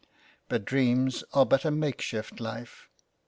But dreams are but a makeshift life.